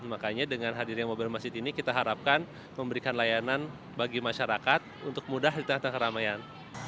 makanya dengan hadirnya mobile masjid ini kita harapkan memberikan layanan bagi masyarakat untuk mudah di tengah tengah keramaian